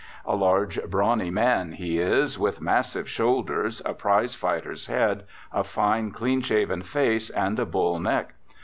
A large, brawny man he is, with massive shoulders, a prizefighter's head, a fine, clean shaven face and a bull neck.